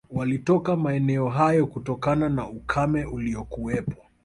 Walitoka maeneo hayo kutokana na ukame uliokuwepo